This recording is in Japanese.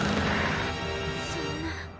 そんな。